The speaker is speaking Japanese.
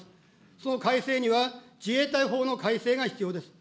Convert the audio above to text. その改正には、自衛隊法の改正が必要です。